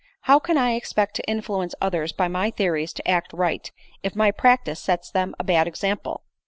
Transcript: " How can I expect to influence others by ray theories to act right, if my practice sets them a bad ex ample